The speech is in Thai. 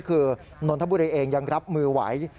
คือนนทบุรีเองยังรับมือไหว